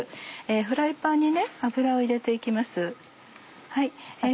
フライパンに油を入れて行きます。